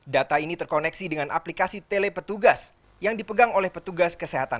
data ini terkoneksi dengan aplikasi telepetugas yang dipegang oleh petugas